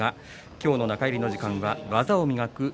今日の中入りの時間は「技を磨く」